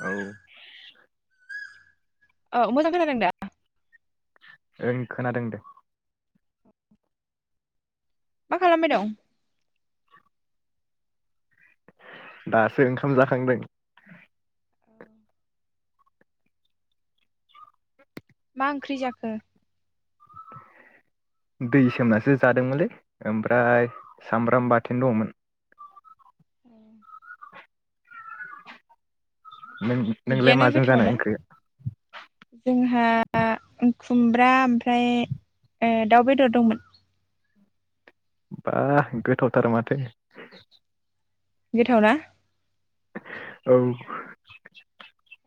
औ अ मोजां खोनादों दा ओं खोनादों दे मा खालामबाय दं दासो ओंखाम जाखांदों मा ओंख्रि जाखो दै सोमनासो जादोंमोनलै ओमफ्राय सामब्राम बाथोन दङमोन [inaudible] नों नोंलाय बिदियानो माजों जानाय गोथावना ओंख्रि जोंहा खुमब्रा ओम फ्राय ओ दाउ बेदर दंमोन बा गोथावथार माथो गोथाव ना औ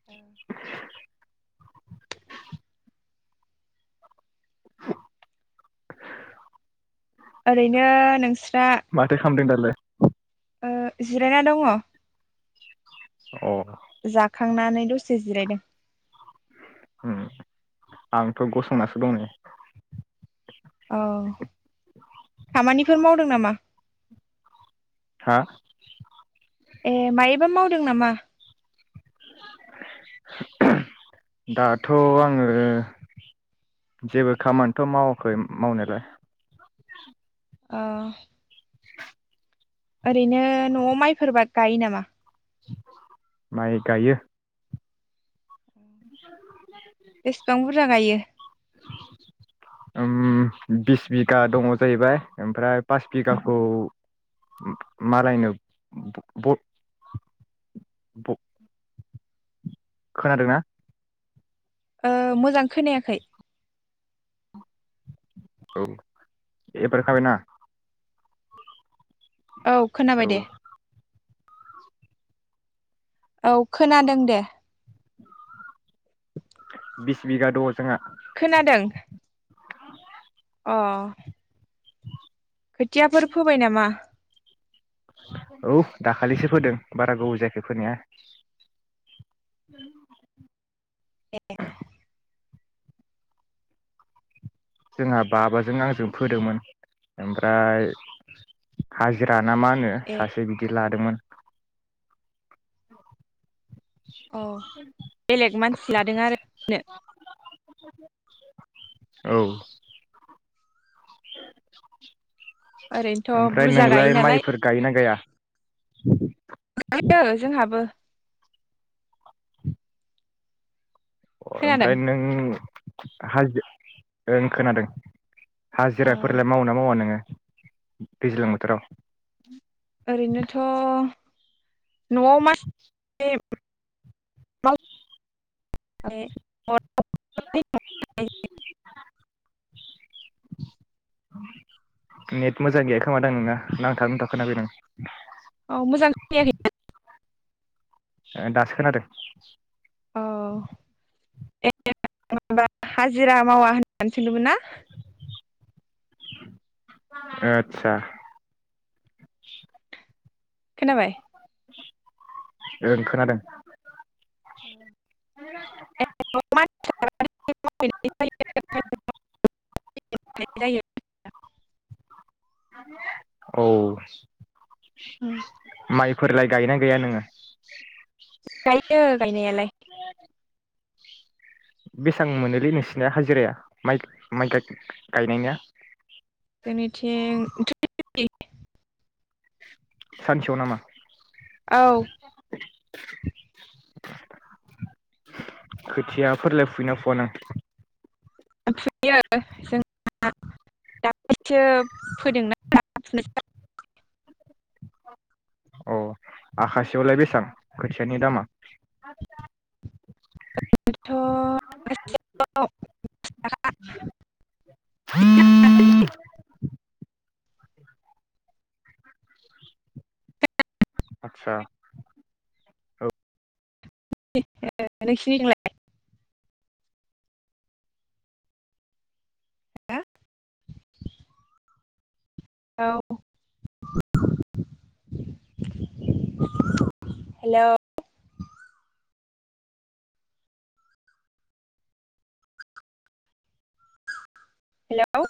औ ओरैनो नोंस्रा माथो खालामामदों दालाय ओ जिरायना दङ अ जाख थांनानै दसे जिरायदों होम आंथ गसंनासो दं नै औ खामानिफोर मावदों नामा हा ए मायोबा मावदों नामा दाथ आङो जेबो खामानिथ मावाखै मावनायलाय ओ [unintelligible] ओरैनो नआव माइफोरबा गायो नामा माइ गायो [unintelligible] बेसेबां बुरजा गायो उम बिस बिगा दङ जाहैबाय ओमफ्राय पास बिगाखौ मालायनो बब- [unintelligible] खोनादोंना ओ मोजां खोनायाखै औ एबार खाबनाा औ खोनाबाय औ दे औ खोनादों दे बिस बिगा द जोंहा खोनादों [unintelligible] अ खोथियाफोर फोबाय नामा औ दाखालिसो फोदों बारा गोबाव जायाखै फोनाया ए जोंहा बाबाजों आंजों फोदोंमोन ओमफ्राय हाजिरा ना मा होनो ए सासे बिदि लादोंमोन औ बेलेग मानसि लादों आरोनो औ ओरैनोथ ओमफ्राय बुरजा गायो नोंलाय नालाय माइफोर गायोना गाया [inaudible] जोंहाबो अ खोनादों ओमफ्राय नों हाजो ओ खोनादों ओ हाजिराफोरलाय मावना मावा नोङो दैज्लां बोथाराव ओरैनोथ' नआव मास [unintelligible] [unintelligible] नेट मोजां गैया खोमा दां नोंना नांथा नुंथा खोनाफैदों। औ मोजां खोनायाखै दासो खोनादों औ [unintelligible] हाजिरा मावा होननानै सोंदोंमोन ना ओतसा खोनाबाय? ओं खोनादों। [unintelligible] औ हुम फोरलाय गायो ना गाया नोंङो? गायो गायनायालाय। बेसां मोनोलै नोंसिनिया हाजिराया माइ गाय माइगाय गायनायनिया? जोंनिथिं [unintelligible] फिपति सानसेयाव नामा? औ खोथिया फोरलाय फुयो ना फुवा नों? [unintelligible] औ आखासेयावलाय बेसेबां खोथियानि दामा? [unintelligible] आतसा [unintelligible] औ हेलौ हेल'